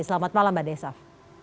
selamat malam mbak desaf